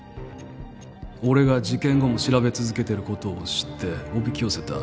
俺が事件後も調べ続けてることを知っておびき寄せた。